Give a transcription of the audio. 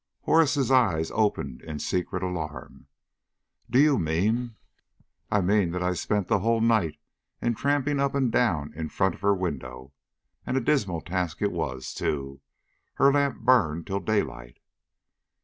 Horace's eyes opened in secret alarm. "Do you mean " "I mean that I spent the whole night in tramping up and down in front of her window. And a dismal task it was too. Her lamp burned till daylight."